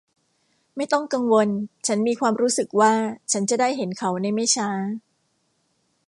ไม่ต้องกังวลฉันมีความรู้สึกว่าฉันจะได้เห็นเขาในไม่ช้า